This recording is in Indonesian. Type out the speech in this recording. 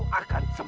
rasul allah islam